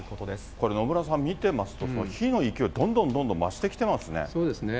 これ、野村さん、見てますと、火の勢い、どんどんどんどん増しそうですね。